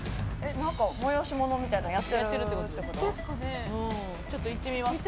何か、催し物みたいなのやってるってことですか。